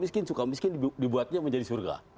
miskin suka miskin dibuatnya menjadi surga